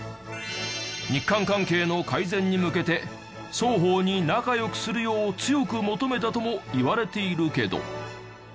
日韓関係の改善に向けて双方に仲良くするよう強く求めたともいわれているけど。